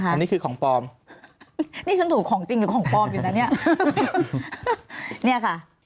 อันนี้คือของปลอมนี่ฉันถูกของจริงหรือของปลอมอยู่นะเนี่ยค่ะ